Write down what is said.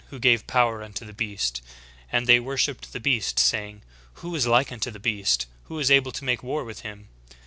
31 dragon which gave power unto the beast: and they wor shiped the beast, saying, Who is Hke unto the beast? who is able to make war with him?